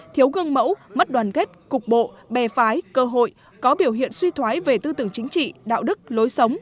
thiếu gương mẫu mất đoàn kết cục bộ bè phái cơ hội có biểu hiện suy thoái về tư tưởng chính trị đạo đức lối sống